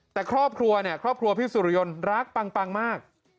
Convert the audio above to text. แต่ครอบครัวเนี่ยครอบครัวพี่สุริยนต์รักปังมาก